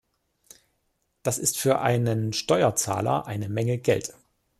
Das ist für einen Steuerzahler eine Menge Geld.